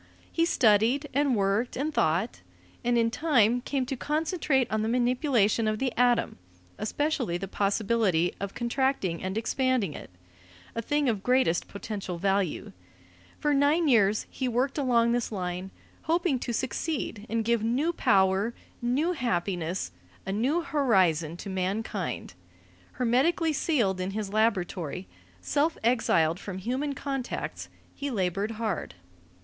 He studied and worked and thought, and in time came to concentrate on the manipulation of the atom, especially the possibility of contracting and expanding it a thing of greatest potential value. For nine years he worked along this line, hoping to succeed and give new power, new happiness, a new horizon to mankind. Hermetically sealed in his laboratory, self exiled from human contacts, he labored hard.